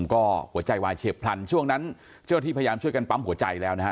ก็หัวใจวายเฉียบพลันช่วงนั้นเจ้าที่พยายามช่วยกันปั๊มหัวใจแล้วนะฮะ